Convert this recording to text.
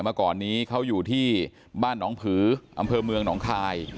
เมื่อก่อนนี้เขาอยู่ที่บ้านหนองผืออำเภอเมืองหนองคาย